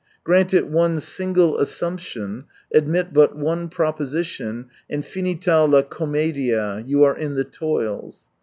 Grant it one single assumption, admit but one proposition — and finita la commedia. You are in the toils.